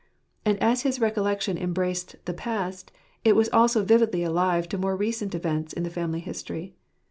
And as his recollection embraced the past, it was also vividly alive to more recent incidents in the family history.